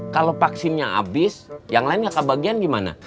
kalau vaksinnya abis yang lain gak kebagian gimana